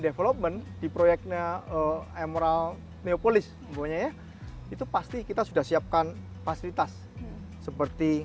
development di proyeknya emerald neopolis punya itu pasti kita sudah siapkan fasilitas seperti